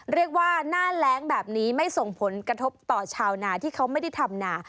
หน้าแรงแบบนี้ไม่ส่งผลกระทบต่อชาวนาที่เขาไม่ได้ทำนา